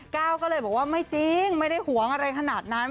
ก้าวก็เลยบอกว่าไม่จริงไม่ได้หวงอะไรขนาดนั้น